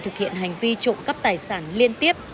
thực hiện hành vi trộm cắp tài sản liên tiếp